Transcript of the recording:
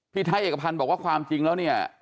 ไทยเอกพันธ์บอกว่าความจริงแล้วเนี่ย